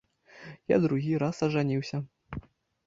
Я другі раз ажаніўся.